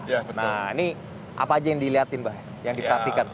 nah ini apa aja yang diliatin mbah yang diperhatikan